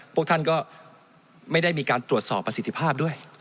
พวกท่านก็ไม่ได้มีการตรวจสอบประสิทธิภาพด้วย